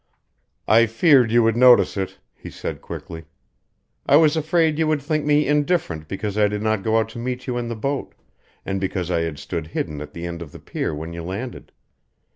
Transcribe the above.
"I feared you would notice it," he said, quickly. "I was afraid you would think me indifferent because I did not go out to meet you in the boat, and because I stood hidden at the end of the pier when you landed.